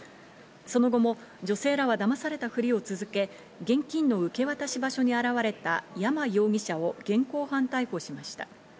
その後も女性らはだまされたふりを続け、現金の受け渡し場所に現れた山容疑者を現行犯逮捕しました。